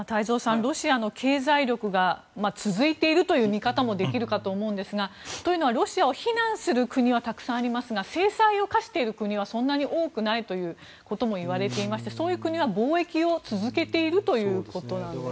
ロシアの経済力が続いているという見方もできるかと思うんですがというのはロシアを非難する国はたくさんありますが制裁を科している国はそんなに多くないということもいわれていましてそういう国は貿易を続けているということなんですね。